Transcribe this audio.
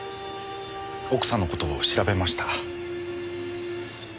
奥さんの事を調べました。